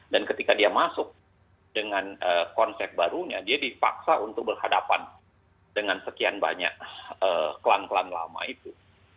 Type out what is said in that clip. dan ketika dia masuk dengan konsep barunya dia dipaksa untuk berhadapan dengan sekian banyak klan klan lama itu